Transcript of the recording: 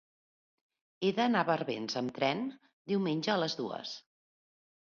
He d'anar a Barbens amb tren diumenge a les dues.